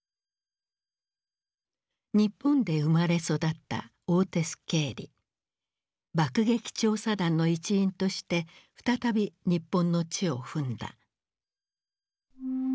日本で生まれ育った爆撃調査団の一員として再び日本の地を踏んだ。